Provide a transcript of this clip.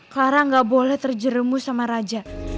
kara gak boleh terjeremu sama raja